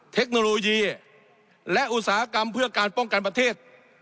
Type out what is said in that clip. เทคโนโลยีและอุตสาหกรรมเพื่อการป้องกันประเทศ